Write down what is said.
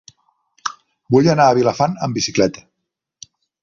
Vull anar a Vilafant amb bicicleta.